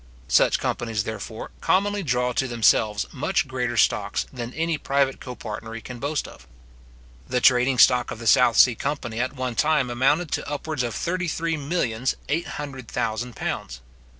Such companies, therefore, commonly draw to themselves much greater stocks, than any private copartnery can boast of. The trading stock of the South Sea company at one time amounted to upwards of thirty three millions eight hundred thousand pounds.